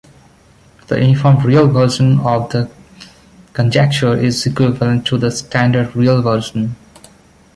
The uniform real version of the conjecture is equivalent to the standard real version.